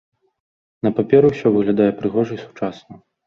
На паперы ўсё выглядае прыгожа і сучасна.